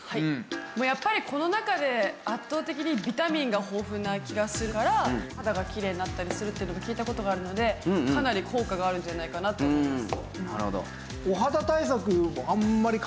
やっぱりこの中で圧倒的にビタミンが豊富な気がするから肌がきれいになったりするっていうのも聞いた事があるのでかなり効果があるんじゃないかなと思います。